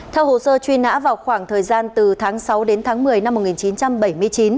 theo hồ sơ truy nã vào khoảng thời gian từ tháng sáu đến tháng một mươi năm một nghìn chín trăm bảy mươi chín